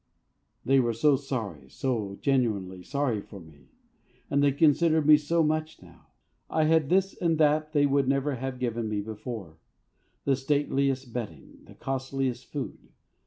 They were so sorry, so genuinely sorry for me. And they considered me so much now. I had this and that they would never have given me before the stateliest bedding, the costliest food.